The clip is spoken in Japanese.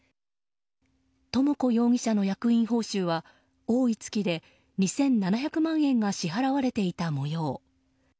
智子容疑者の役員報酬は多い月で２７００万円が支払われていた模様。